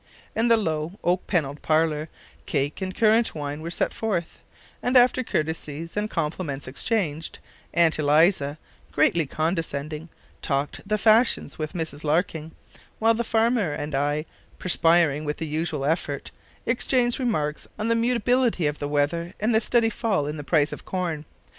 In the low, oak panelled parlour, cake and currant wine were set forth, and after courtesies and compliments exchanged, Aunt Eliza, greatly condescending, talked the fashions with Mrs Larkin; while the farmer and I, perspiring with the unusual effort, exchanged remarks on the mutability of the weather and the steady fall in the price of corn.